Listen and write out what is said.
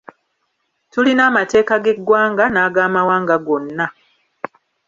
Tulina amateeka g'eggwanga n'ag'amawanga gonna.